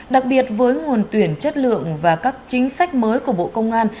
đặc biệt với nguồn tuyển chất lượng và các chính sách mới của bộ công an